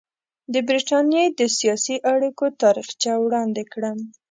د برټانیې د سیاسي اړیکو تاریخچه وړاندې کړم.